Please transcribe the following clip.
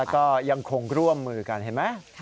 ก็ยังคงร่วมมือกันเห็นไหม